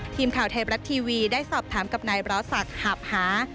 ทีมข่าวไทยรัฐทีวีได้สอบถามกับนายบร้อศักดิ์หาบหา